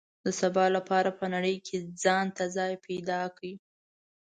د سبا لپاره په نړۍ کې ځان ته ځای پیدا کړي.